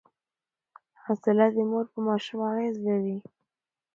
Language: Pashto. حوصله د مور په ماشوم اغېز لري.